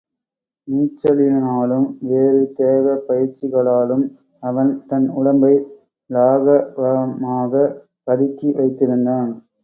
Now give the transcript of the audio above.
நீச்சலினாலும் வேறு தேகப்பயிற்சிகளாலும் அவன் தன் உடம்பை லாகவமாகப் பழக்கி வைத்திருந்தான்.